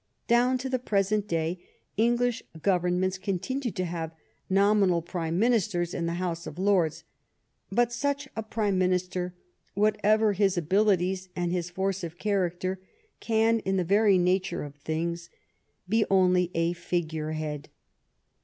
Down to the present day English Governments continue to have nominal Prime Ministers in the House of Lords, but such a Prime Minis ter, whatever his abilities and his force of character, can in the very nature of things be only a figurehead.